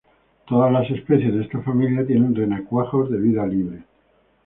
Todas las especies de esta familia tienen renacuajos de vida libre.